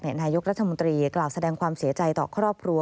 นายกรัฐมนตรีกล่าวแสดงความเสียใจต่อครอบครัว